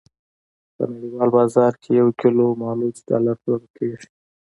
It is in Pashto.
په نړیوال بازار کې یو کیلو مالوچ ډالر پلورل کېدل.